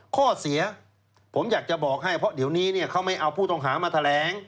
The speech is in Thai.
ข้อเสียผมอยากจะบอกให้เพราะเดี๋ยวนี้เขาไม่เอาผู้ต้องหามาแถลง